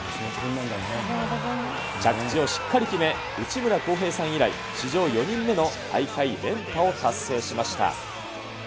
着地をしっかり決め、内村航平さん以来、史上４人目の大会連覇を達成しました。